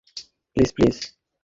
Please, please!